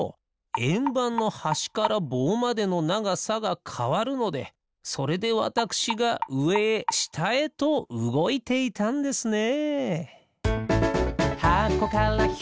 えんばんのはしからぼうまでのながさがかわるのでそれでわたくしがうえへしたへとうごいていたんですね。